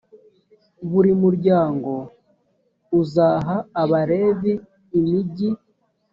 buri muryango uzaha abalevi imigi